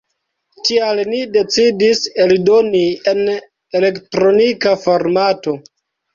Tial ni decidis eldoni en elektronika formato.